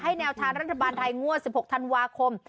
ให้แนวทานรัฐบาลไทยงั่ว๑๖ธันวาคม